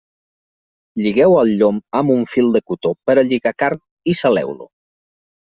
Lligueu el llom amb un fil de cotó per a lligar carn i saleu-lo.